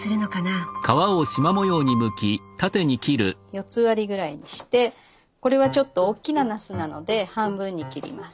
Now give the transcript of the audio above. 四つ割りぐらいにしてこれはちょっとおっきななすなので半分に切ります。